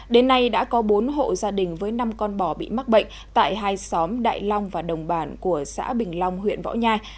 đến nay đã có bốn hộ gia đình với năm con bò bị mắc bệnh tại hai xóm đại long và đồng bản của xã bình long huyện võ nhai